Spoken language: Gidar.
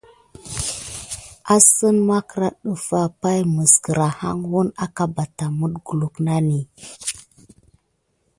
Əsseŋ makra ɗəfa pay nis kiraya wuna aka banamite kulu nani.